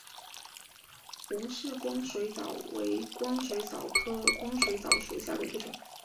吴氏光水蚤为光水蚤科光水蚤属下的一个种。